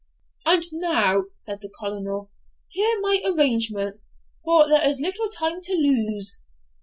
'And now,' said the Colonel, 'hear my arrangements, for there is little time to lose.